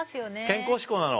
健康志向なの？